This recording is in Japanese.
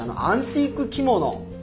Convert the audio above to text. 「アンティーク着物」